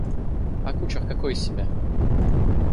А кучер какой из себя?